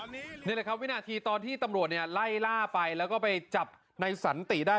นี่แหละครับวินาทีตอนที่ตำรวจไล่ล่าไปแล้วก็ไปจับในสันติได้